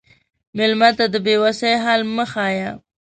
مېلمه ته د بې وسی حال مه ښیه.